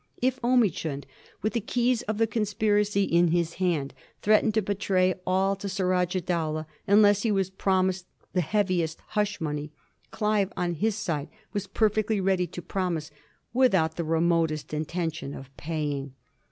If Omichund, with the keys of the conspiracy in his hand, threatened to betray all to Surajah Dowlah unless he was promised the heaviest hush money, Clive on his side was perfectly ready to promise without the remotest intention of paying.